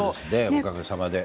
おかげさまで。